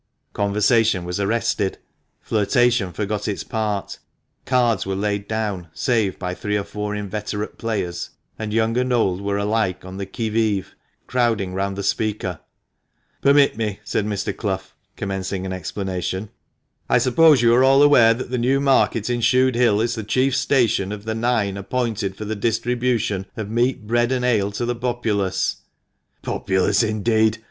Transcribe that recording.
Conversation was arrested, flirtation forgot its part, cards were laid down, save by three or four inveterate players, and young and old were alike on the qui mve, crowding round the speaker. " Permit me," said Mr. Clough, commencing an explanation. " I suppose you are all aware that the new market in Shude Hill is the chief station of the nine appointed for the distribution of meat, bread, and ale to the populace ?"" Populace, indeed